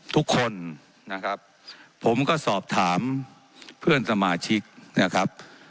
ทุกคนนะครับผมก็สอบถามเพื่อนสมาชิกนะครับ